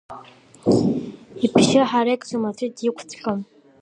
Ибжьы ҳареикӡом, аӡәы диқәҵәҟьом.